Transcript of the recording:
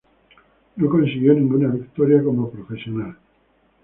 No consiguió ninguna victoria como profesional.